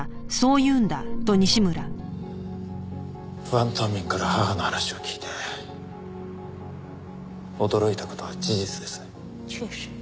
王東明から母の話を聞いて驚いた事は事実です。